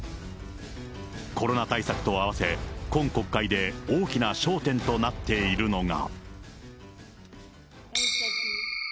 コロナ対策と合わせ、今国会で大きな焦点となっているのが。